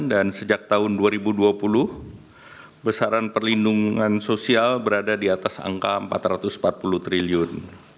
dan sejak tahun dua ribu dua puluh besaran perlindungan sosial berada di atas angka rp empat ratus empat puluh triliun